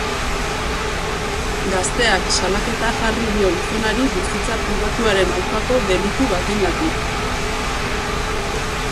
Gazteak salaketa jarri dio gizonari bizitza pribatuaren aurkako delitu batengatik.